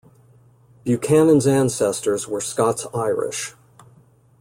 Buchanan's ancestors were Scots-Irish.